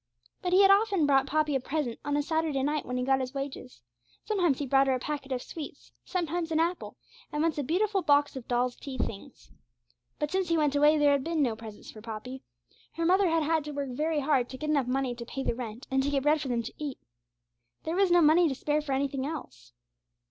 But he had often brought Poppy a present on a Saturday night when he got his wages; sometimes he brought her a packet of sweets, sometimes an apple, and once a beautiful box of dolls' tea things. But since he went away there had been no presents for Poppy. Her mother had had to work very hard to get enough money to pay the rent and to get bread for them to eat there was no money to spare for anything else.